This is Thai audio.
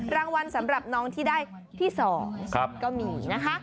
รางวัลสำหรับน้องที่ได้ที่๒ก็มีนะคะ